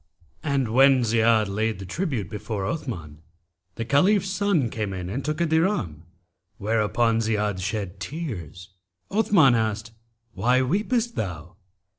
[FN#275] And when Ziyad laid the tribute before Othman, the Caliph's son came in and took a dirham, whereupon Ziyad shed tears. Othman asked 'Why weepest thou?'